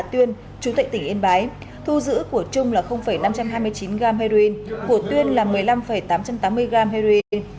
tuyên chú tệ tỉnh yên bái thu giữ của trung là năm trăm hai mươi chín gam heroin của tuyên là một mươi năm tám trăm tám mươi gram heroin